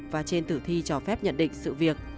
và trên tử thi cho phép nhận định sự việc